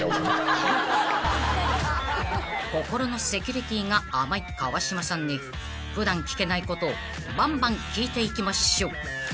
［心のセキュリティーが甘い川島さんに普段聞けないことをバンバン聞いていきましょう］